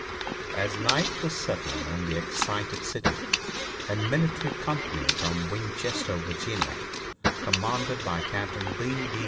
As night was settling on the excited city a military company from Winchester, Virginia, commanded by Captain B. B.